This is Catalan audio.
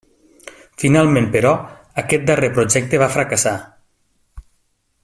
Finalment, però, aquest darrer projecte va fracassar.